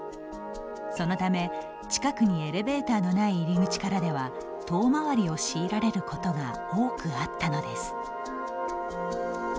そのため、近くにエレベーターのない入り口からでは遠回りを強いられることが多くあったのです。